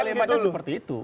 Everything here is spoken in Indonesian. kalimatnya seperti itu